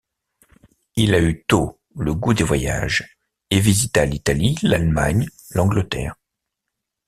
Il a eu tôt le goût des voyages et visita l'Italie, l'Allemagne, l'Angleterre.